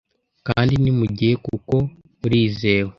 kandi ni mu gihe kuko burizewe